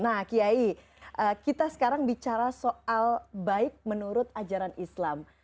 nah kiai kita sekarang bicara soal baik menurut ajaran islam